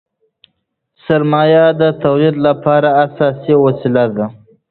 سرمایه د تولید لپاره اساسي وسیله ده.